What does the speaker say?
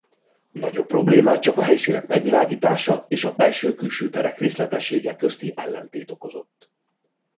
Nagyobb problémát csak a helyszínek megvilágítása és a belső-külső terek részletessége közti ellentét okozott.